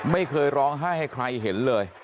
ไม่เคยร้องไห้ให้ใครเห็นเลย